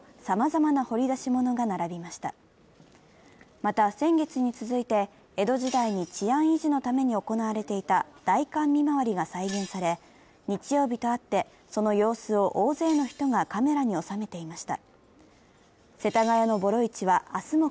また、先月に続いて江戸時代に治安維持のために行われていた代官見回りが再現され、日曜日とあって、その様子を大勢の人がカメラに収めていました。